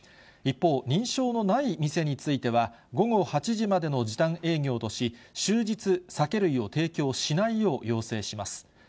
一方、認証のない店については午後８時までの時短営業とし、終日酒類を提供しないよう要請します。